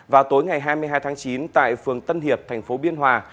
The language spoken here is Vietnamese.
vào tối ngày hai mươi hai tháng chín tại phường tân hiệp thành phố biên hòa